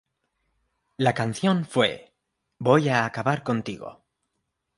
La canción fue "Voy a Acabar Contigo".